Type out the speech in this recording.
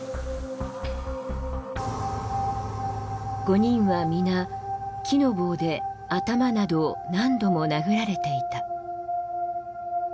５人は皆木の棒で頭などを何度も殴られていた。